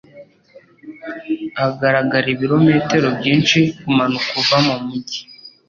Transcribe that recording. hagaragara ibirometero byinshi kumanuka uva mumijyi